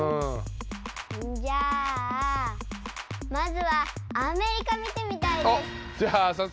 じゃあまずはアメリカ見てみたいです。